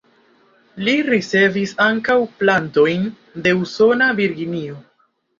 Li ricevis ankaŭ plantojn de usona Virginio.